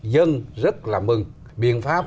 dân rất là mừng biện pháp